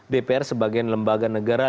dpr sebagai lembaga negara